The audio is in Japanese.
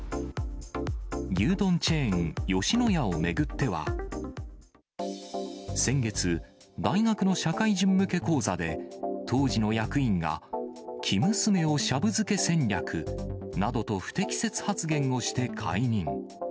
牛丼チェーン、吉野家を巡っては、先月、大学の社会人向け講座で、当時の役員が、生娘をシャブ漬け戦略などと、不適切発言をして解任。